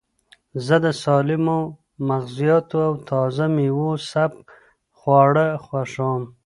زه د سالمو مغزیاتو او تازه مېوو سپک خواړه خوښوم.